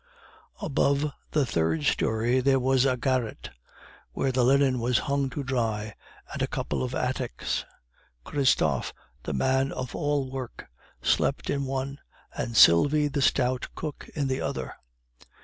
Above the third story there was a garret where the linen was hung to dry, and a couple of attics. Christophe, the man of all work, slept in one, and Sylvie, the stout cook, in the other.